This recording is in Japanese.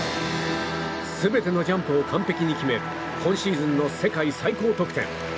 全てのジャンプを完璧に決め今シーズンの世界最高得点。